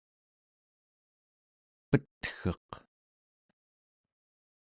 petgeq